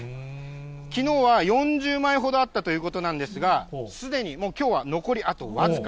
きのうは４０枚ほどあったということなんですが、すでに、もうきょうは残りあと僅か。